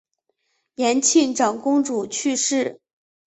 延庆长公主去世。